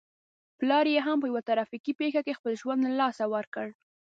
پلار يې هم په يوه ترافيکي پېښه کې خپل ژوند له لاسه ور کړ.